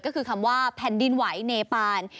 ก็คือคำว่าแผ่นดินไหวเนปาน